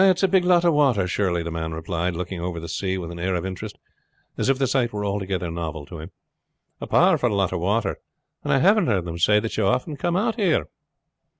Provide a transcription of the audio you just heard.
"It's a big lot of water, surely," the man replied, looking over the sea with an air of interest as if the sight were altogether novel to him. "A powerful lot of water. And I have heard them say that you often come out here?"